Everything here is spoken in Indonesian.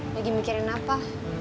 lagi mikirin apa